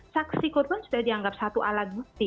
saksi korban sudah dianggap satu alat bukti